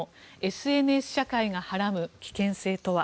ＳＮＳ社会がはらむ危険性とは？